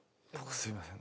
すいません。